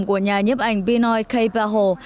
của nhà nhấp ảnh pinoi k pahal